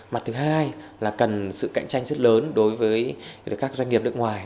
mặt thứ hai là cần sự cạnh tranh rất lớn đối với các doanh nghiệp nước ngoài